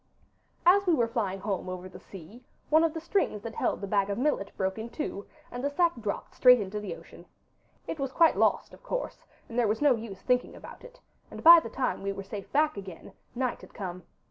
As we were flying home over the sea one of the strings that held the bag of millet broke in two, and the sack dropped straight into the ocean. It was quite lost, of course, and there was no use thinking about it, and by the time we were safe back again night had come.